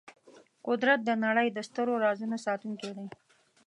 قدرت د نړۍ د سترو رازونو ساتونکی دی.